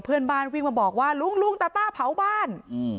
เพื่อนบ้านวิ่งมาบอกว่าลุงลุงตาต้าเผาบ้าน